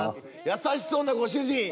優しそうなご主人。